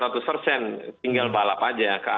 tinggal balap saja